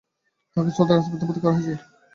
তাকে সোহরাওয়াদী হাসপাতালে ভর্তি করা হয়েছে।